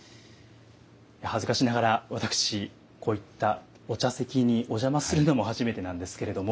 恥ずかしながら私こういったお茶席にお邪魔するのも初めてなんですけれども。